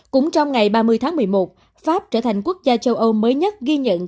cũng trong ngày ba mươi tháng một mươi một pháp trở thành quốc gia châu âu mới nhất ghi nhận